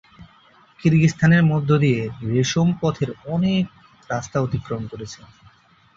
কিরগিজস্তানের মধ্য দিয়ে রেশম পথের অনেক রাস্তা অতিক্রম করেছে।